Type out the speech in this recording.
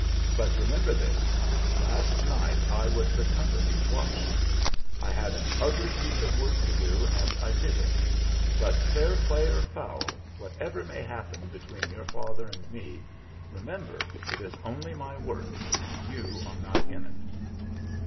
But remember this: last night I was the company's watchman; I had an ugly piece of work to do and I did it; but, fair play or foul, whatever may happen between your father and me, remember, it is only my work, and you are not in it."